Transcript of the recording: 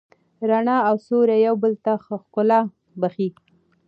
رڼا او سیوری یو بل ته ښکلا بښي.